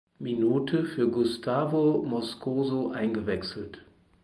Minute für Gustavo Moscoso eingewechselt.